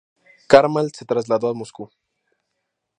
Karmal se trasladó a Moscú.